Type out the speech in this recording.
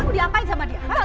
aku diantain sama dia